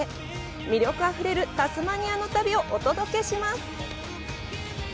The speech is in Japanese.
魅力あふれるタスマニアの旅をお届けします。